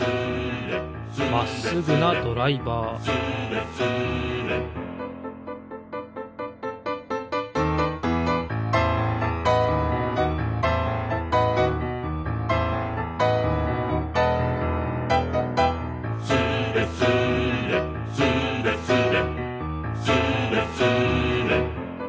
まっすぐなドライバー「スレスレ」「スレスレスーレスレ」